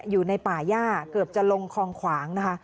อยู่ในป่าย่าเกือบจะลงคลองขวางนะคะ